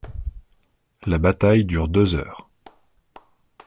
La bataille dure deux heures.